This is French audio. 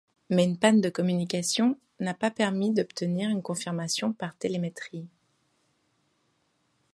Mais une panne de communications n'a pas permis d'obtenir une confirmation par télémétrie.